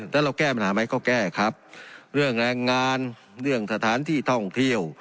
แล้วเราแก้ปัญหาไหมก็แก้ครับเรื่องแรงงานเรื่องสถานที่ท่องเที่ยว